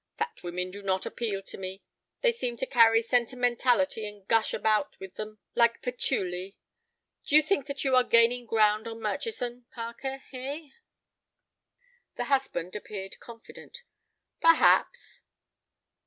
Fat women do not appeal to me; they seem to carry sentimentality and gush about with them like patchouli. Do you think that you are gaining ground on Murchison, Parker, eh?" The husband appeared confident. "Perhaps."